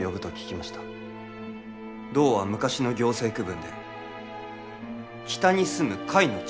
「道」は昔の行政区分で「北に住むカイの地」